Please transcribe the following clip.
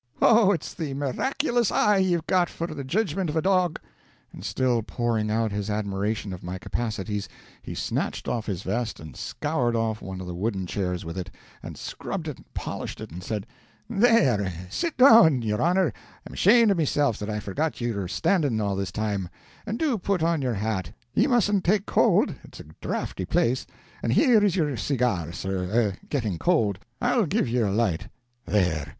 Oh, it's the miraculous eye ye've got, for the judgmint of a dog!" And still pouring out his admiration of my capacities, he snatched off his vest and scoured off one of the wooden chairs with it, and scrubbed it and polished it, and said: "There, sit down, your honor, I'm ashamed of meself that I forgot ye were standing all this time; and do put on your hat, ye mustn't take cold, it's a drafty place; and here is your cigar, sir, a getting cold, I'll give ye a light. There.